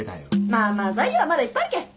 まあまあ材料はまだいっぱいあるけん。